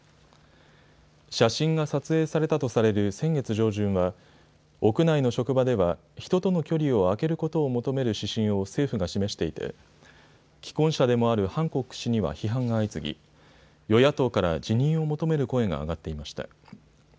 写真が撮影されたとされる先月上旬は屋内の職場では人との距離を空けることを求める指針を政府が示していて既婚者でもあるハンコック氏には批判が相次ぎ、与野党から辞任を求める声が上がっていました。